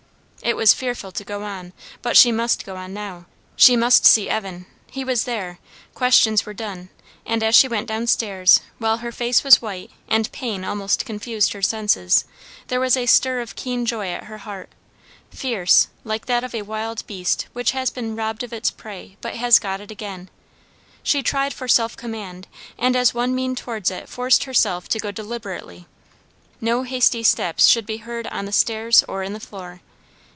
It was fearful to go on, but she must go on now; she must see Evan; he was there; questions were done; and as she went down stairs, while her face was white, and pain almost confused her senses, there was a stir of keen joy at her heart fierce, like that of a wild beast which has been robbed of its prey but has got it again. She tried for self command, and as one mean towards it forced herself to go deliberately. No hasty steps should be heard on the stairs or in the floor.